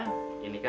ini kan kerjaan kamu